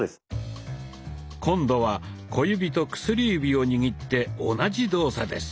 今度は小指と薬指を握って同じ動作です。